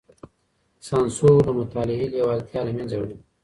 سانسور د مطالعې لېوالتيا له منځه وړي.